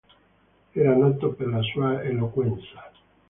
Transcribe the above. Era noto per la sua eloquenza.